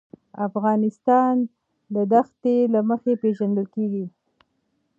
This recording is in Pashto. افغانستان د ښتې له مخې پېژندل کېږي.